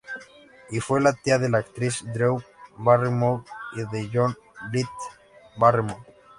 Y fue la tía de la actriz Drew Barrymore y de John Blyth Barrymore.